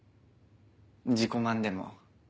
自己満でも。